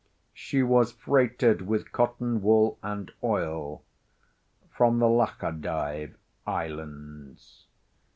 She was freighted with cotton wool and oil, from the Lachadive islands.